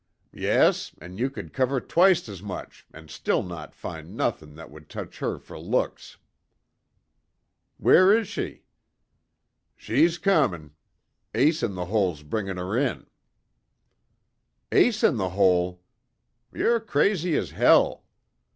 "Yes, an' you could cover twict as much an' still not find nothin' that would touch her fer looks." "Where is she?" "She's comin'. Ace In The Hole's bringin' her in." "Ace In The Hole! Yer crazy as hell!